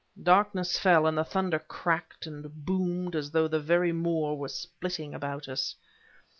Darkness fell, and the thunder cracked and boomed as though the very moor were splitting about us.